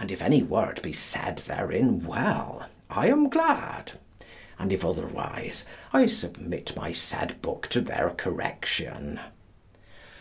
And if any word be said therein well, I am glad; and if otherwise, I submit my said book to their correction.